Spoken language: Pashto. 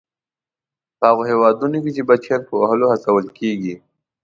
په هغو هېوادونو کې چې بچیان په وهلو هڅول کیږي.